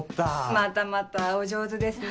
またまたお上手ですね。